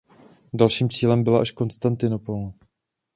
Dalším cílem byla až Konstantinopol.